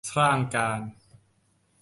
สร้างการ